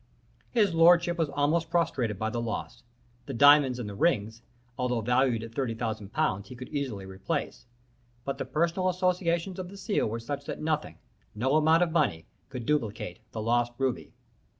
His lordship was almost prostrated by the loss. The diamonds and the rings, although valued at thirty thousand pounds, he could easily replace, but the personal associations of the seal were such that nothing, no amount of money, could duplicate the lost ruby."